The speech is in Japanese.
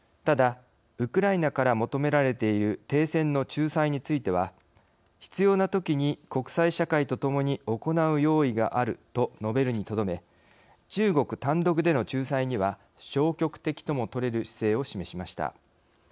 ただ、ウクライナから求められている停戦の仲裁については「必要なときに国際社会と共に行なう用意がある」と述べるにとどめ中国単独での仲裁には消極的ともとれる姿勢を示しました。